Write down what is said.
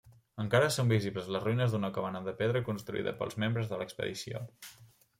Encara són visibles les ruïnes d'una cabana de pedra construïda pels membres de l'expedició.